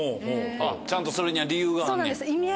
ちゃんとそれには理由があんねや？